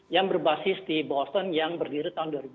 yang berbasis di boston yang berdiri tahun dua ribu dua